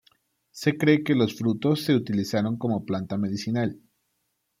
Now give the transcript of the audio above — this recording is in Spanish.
Se cree que los frutos se utilizaron como planta medicinal.